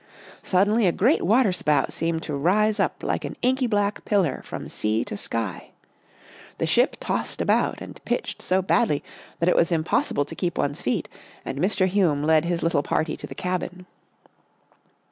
Sud denly a great waterspout seemed to rise up like an inky black pillar from sea to sky. The ship tossed about and pitched so badly that it was impossible to keep one's feet and Mr. Hume led his little party to the cabin.